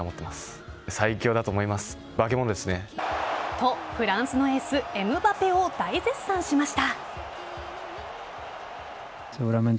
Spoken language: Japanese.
と、フランスのエースエムバペを大絶賛しました。